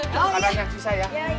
karena ada yang sisa ya